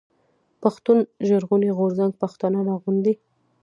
پښتون ژغورني غورځنګ پښتانه راغونډوي.